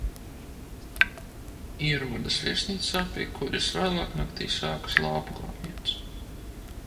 Ierodas viesnīcā, pie kuras vēlāk naktī sākas lāpu gājiens.